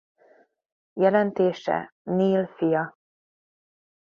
Jelentése Neil fia.